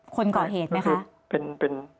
คนเกาะเหตุไหม